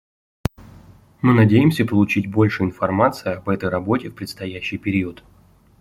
Мы надеемся получить больше информации об этой работе в предстоящий период.